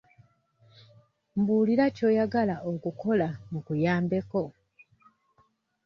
Mbuulira ky'oyagala okukola nkuyambeko.